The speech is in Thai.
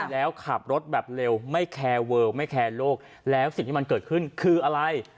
แล้วขับรถแบบเร็วไม่แคร์เวิลไม่แคร์โลกแล้วสิ่งที่มันเกิดขึ้นคืออะไร